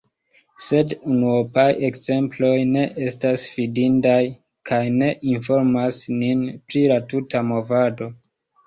Sed unuopaj ekzemploj ne estas fidindaj kaj ne informas nin pri la tuta movado.